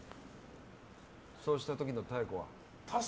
そうした時の妙子は。